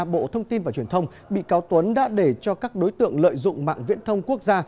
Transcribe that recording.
bộ thông tin và truyền thông bị cáo tuấn đã để cho các đối tượng lợi dụng mạng viễn thông quốc gia